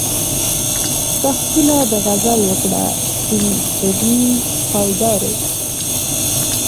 کښتونه د غزل وکره، سپین جبین خالدارې